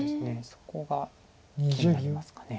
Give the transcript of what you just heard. そこが気になりますかね。